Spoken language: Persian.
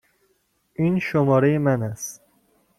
این شماره من است.